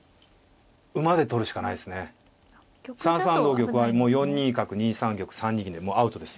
３三同玉はもう４二角２三玉３二銀でもうアウトです。